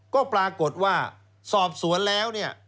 ก็ปรากฏว่าสอบสวนแล้วเนี่ย